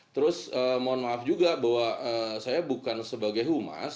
terus mohon maaf juga bahwa saya bukan sebagai humas